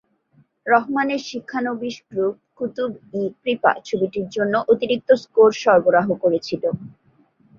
রহমানের শিক্ষানবিশ গ্রুপ কুতুব-ই-কৃপা, ছবিটির জন্য অতিরিক্ত স্কোর সরবরাহ করেছিল।